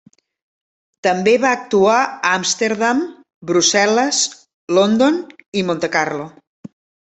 També va actuar a Amsterdam, Brussel·les, London i Montecarlo.